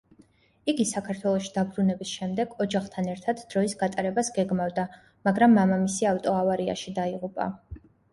იგი საქართველოში დაბრუნების შემდეგ ოჯახთან ერთად დროის გატარებას გეგმავდა, მაგრამ მამამისი ავტოავარიაში დაიღუპა.